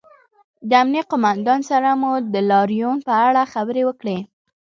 د امنیې قومندان سره مو د لاریون په اړه خبرې وکړې